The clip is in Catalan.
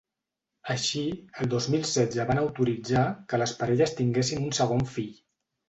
Així, el dos mil setze van autoritzar que les parelles tinguessin un segon fill.